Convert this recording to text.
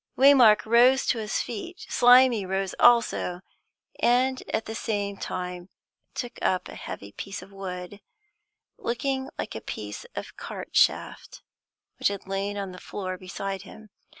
Waymark rose to his feet. Slimy rose also, and at the same time took up a heavy piece of wood, looking like a piece of a cart shaft, which had lain on the floor beside him.